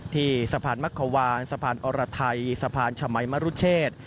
ที่สะพานมักขวานสะพานอรไทยสะพานชมัยมรุเชษ